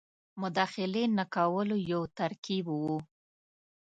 مداخلې نه کولو یو ترکیب وو.